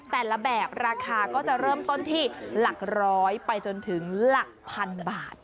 แต่ละแบบราคาก็จะเริ่มต้นที่หลักร้อยไปจนถึงหลักพันบาท